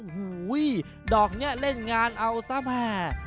โหยดอกนี้เล่นงานเอาซ้ามา